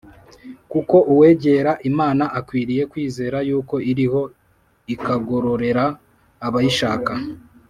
kuko uwegera Imana akwiriye kwizera yuko iriho, ikagororera abayishaka.